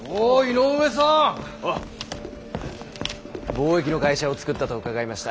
貿易の会社を作ったと伺いました。